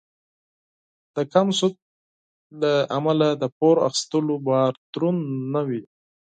د کم سود له امله د پور اخیستلو بار دروند نه وي.